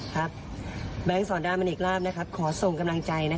ครับแบงซ์สอนดามันเอกราบขอส่งกำลังใจ